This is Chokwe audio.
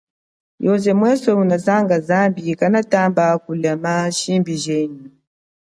Yoze mweswe unazanga zambi kanatamba kulama shimbi jenyi.